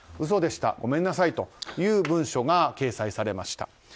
嘘でしたごめんなさいという文書が掲載されました。